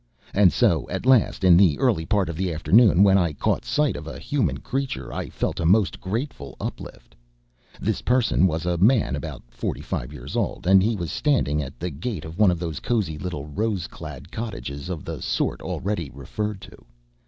And so, at last, in the early part of the afternoon, when I caught sight of a human creature, I felt a most grateful uplift. This person was a man about forty five years old, and he was standing at the gate of one of those cozy little rose clad cottages of the sort already referred to.